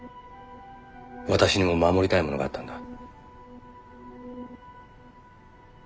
私にも守りたいものがあったんだ。